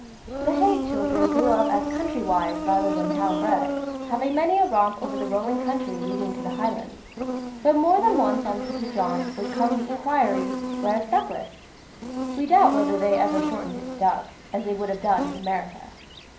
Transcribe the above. The Haig children grew up as countrywise rather than townbred, having many a romp over the rolling country leading to the Highlands. But more than once on such a jaunt would come the inquiry: "Where's Douglas?" (We doubt whether they ever shortened it to "Doug," as they would have done in America.)